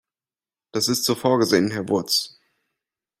Das ist so vorgesehen, Herr Wurtz.